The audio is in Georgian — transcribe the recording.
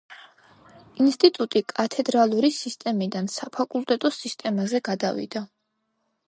ინსტიტუტი კათედრალური სისტემიდან საფაკულტეტო სისტემაზე გადავიდა.